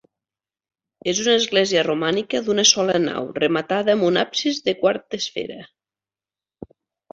És una església romànica d'una sola nau rematada amb un absis de quart d'esfera.